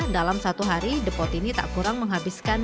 dalam satu hari depot ini tak kurang menghabiskan